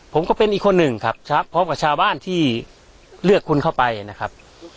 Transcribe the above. ผมก็เป็นอีกคนหนึ่งครับพร้อมกับชาวบ้านที่เลือกคุณเข้าไปนะครับ